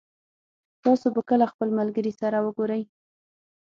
تاسو به کله خپل ملګري سره وګورئ